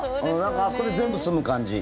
あそこで全部済む感じ。